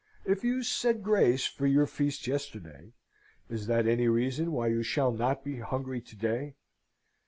If you said grace for your feast yesterday, is that any reason why you shall not be hungry to day?